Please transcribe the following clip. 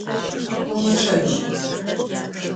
Умычъэжь!